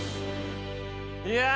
いや！